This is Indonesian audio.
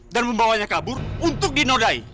dan membawanya kabur untuk dinodai